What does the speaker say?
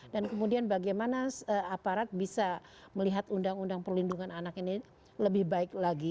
dan kemudian bagaimana aparat bisa melihat undang undang perlindungan anak ini lebih baik lagi